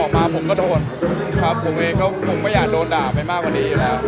เอ่อออกมาผมก็โทษครับผมเองก็ผมไม่อยากโดนด่าไปมากกว่านี้แล้วครับ